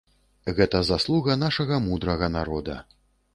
Гэта заслуга нашага мудрага народа.